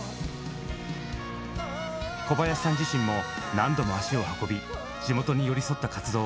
小林さん自身も何度も足を運び地元に寄り添った活動を続けてきました。